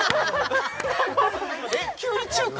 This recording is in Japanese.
えっ急に中華？